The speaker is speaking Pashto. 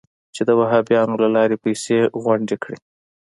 چې د وهابیانو له لارې پیسې غونډې کړي.